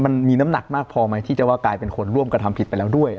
มันมีน้ำหนักมากพอไหมที่จะว่ากลายเป็นคนร่วมกระทำผิดไปแล้วด้วย